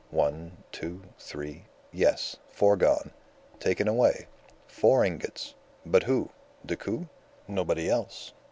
One, two, three. Yes, four gone. Taken away. Four ingots. But who? Decoud? Nobody else.